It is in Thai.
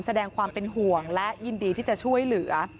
แสดงความเป็นห่วงและยินดีที่จะช่วยเหลือ